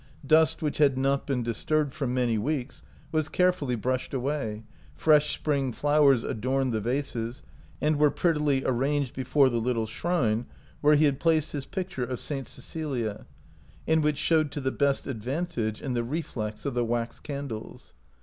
Dust which had not been disturbed for many weeks was carefully brushed away, fresh spring flowers adorned the vases, and were prettily arranged before the little shrine where he had placed his picture of St. Ce 107 OUT OF BOHEMIA cilia, and which showed to the best advan tage in the reflex of the wax candles.